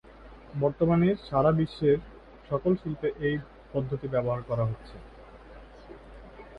বর্তমানে সারা বিশ্বের সকল শিল্পে এই পদ্ধতি ব্যবহার করা হচ্ছে।